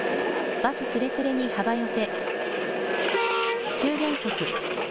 バスすれすれに幅寄せ。